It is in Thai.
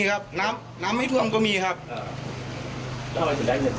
มีครับน้ำน้ำไม่ท่วมก็มีครับอ่า